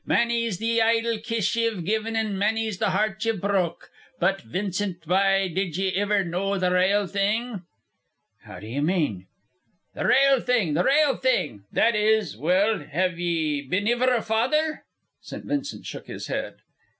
Manny's the idle kiss ye've given, an' manny's the heart ye've broke. But, Vincent, bye, did ye iver know the rale thing?" "How do you mean?" "The rale thing, the rale thing that is well, have ye been iver a father?" St. Vincent shook his head.